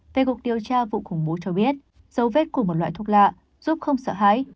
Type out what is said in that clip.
về cuộc điều tra vụ khủng bố cho biết dấu vết của một loại thuốc lạ giúp không sợ hãi